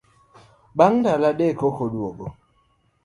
Bang ndalo adek koka oduogo.